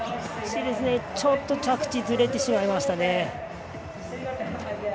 ちょっと着地ずれてしまいましたね。